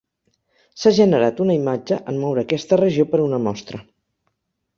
S'ha generat una imatge en moure aquesta regió per una mostra.